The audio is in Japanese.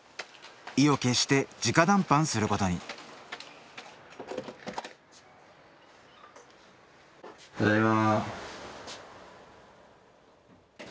意を決して直談判することにただいま。